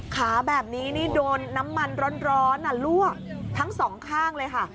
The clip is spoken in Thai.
ขาแบบนี้นี่โดนน้ำมันร้อนลวกทั้งสองข้างเลยค่ะ